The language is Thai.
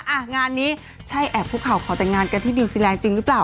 อ่ะงานนี้ใช่แอบคุกเข่าขอแต่งงานกันที่นิวซีแลนด์จริงหรือเปล่า